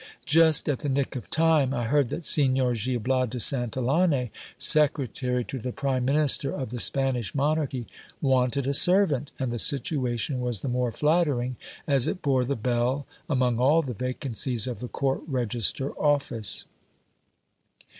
Just at the nick of time, I heard that Signor Gil Bias de Santillane, secretary to the prime minister of the Spanish monarchy, wanted a servant ; and the situa tion was the more flattering, as it bore the bell among all the vacancies of the ccurt register office.